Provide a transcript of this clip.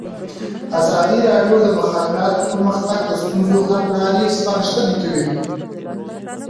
ازادي راډیو د د مخابراتو پرمختګ د ستونزو حل لارې سپارښتنې کړي.